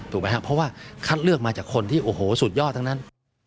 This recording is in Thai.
ถูกไหมครับเพราะว่าคัดเลือกมาจากคนที่โอ้โหสุดยอดทั้งนั้น